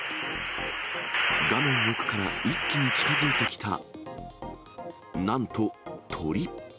画面奥から一気に近づいてきた、なんと鳥。